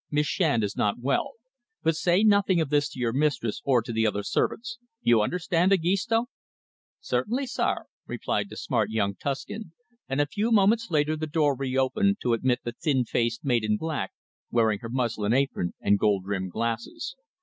"Miss Shand is not well. But say nothing of this to your mistress, or to the other servants. You understand, Egisto?" "Cer tainly, sare," replied the smart young Tuscan, and a few moments later the door re opened to admit the thin faced maid in black, wearing her muslin apron and gold rimmed glasses.